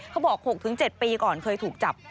เขาบอก๖๗ปีก่อนเคยถูกจับ